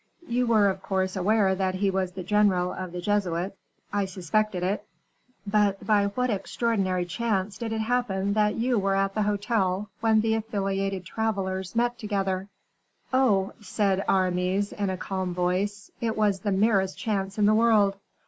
"You were, of course, aware that he was the general of the Jesuits?" "I suspected it." "But by what extraordinary chance did it happen that you were at the hotel when the affiliated travelers met together?" "Oh!" said Aramis, in a calm voice, "it was the merest chance in the world.